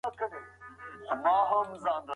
مرغان په اسمان کي البوځي.